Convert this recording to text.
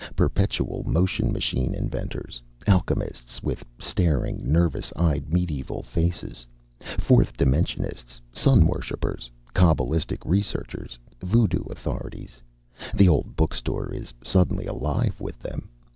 Perpetual motion machine inventors, alchemists with staring, nervous eyed medieval faces, fourth dimensionists, sun worshippers, cabalistic researchers, voodoo authorities the old book store is suddenly alive with them.